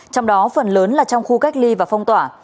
trong đó phần lớn là trong khu cách ly và phong tỏa